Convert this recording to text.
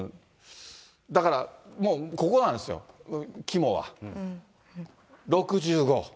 だからもう、ここなんですよ、肝は。